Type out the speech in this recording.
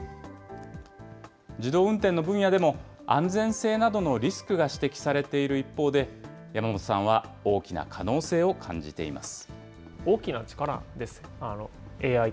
自動運転の分野でも安全性などのリスクが指摘されている一方で、山本さんは大きな可能性を感じています。